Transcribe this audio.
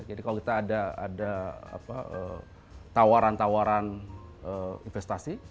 jadi kalau kita ada tawaran tawaran investasi